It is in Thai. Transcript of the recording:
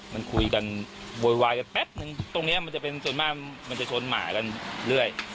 มันคุยกันโวยวายกันแป๊บนึงตรงนี้มันจะเป็นส่วนมากมันจะชนหมากันเรื่อย